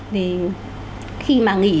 thì khi mà nghỉ